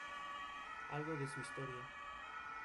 Algo de su historia.